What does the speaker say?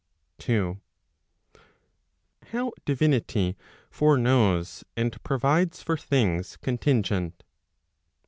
2. How divinity foreknows and provides for things contingent?